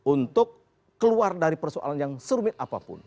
untuk keluar dari persoalan yang serumit apapun